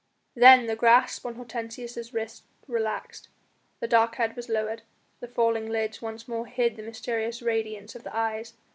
Then the grasp on Hortensius' wrist relaxed, the dark head was lowered, the falling lids once more hid the mysterious radiance of the eyes.